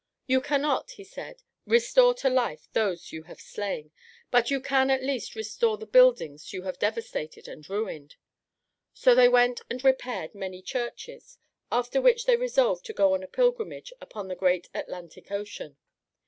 "You cannot," he said, "restore to life those you have slain, but you can at least restore the buildings you have devastated and ruined." So they went and repaired many churches, after which they resolved to go on a pilgrimage upon the great Atlantic Ocean.